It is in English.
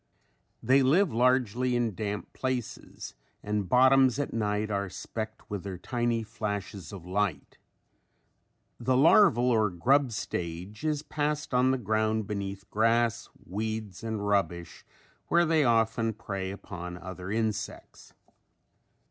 They live largely in damp places and bottoms at night are specked with their tiny flashes of light. The larval or grub stage is passed on the ground beneath grass, weeds and rubbish where they often prey upon other insects.